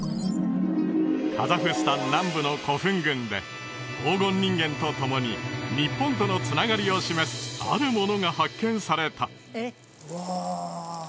カザフスタン南部の古墳群で黄金人間と共に日本とのつながりを示すあるものが発見されたうわ